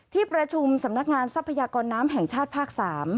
ที่ประชุมสำนักงานทรัพยากรน้ำแห่งชาติภาค๓